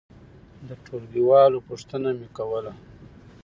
د ټولګي والو پوښتنه مې کوله.